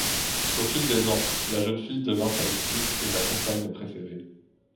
Au fil des ans, la jeune fille devint sa lectrice et sa compagne préférée.